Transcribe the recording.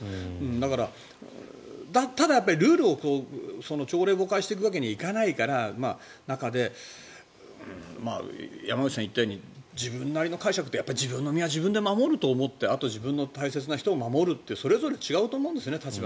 だから、ただルールを朝令暮改していくわけにはいかない中で山口さんが言ったように自分なりの解釈と自分の身は自分で守るあと自分の大切な人を守るってそれぞれ立場が違うと思うんですよね。